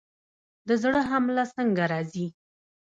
د زړه حمله څنګه راځي؟